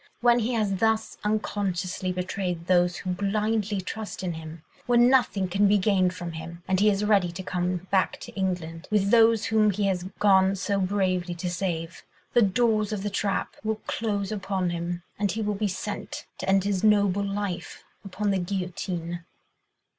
When he has thus unconsciously betrayed those who blindly trust in him, when nothing can be gained from him, and he is ready to come back to England, with those whom he has gone so bravely to save, the doors of the trap will close upon him, and he will be sent to end his noble life upon the guillotine."